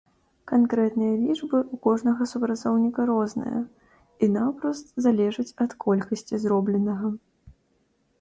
Канкрэтныя лічбы ў кожнага супрацоўніка розныя і наўпрост залежаць ад колькасці зробленага.